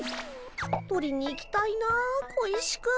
取りに行きたいな小石くん。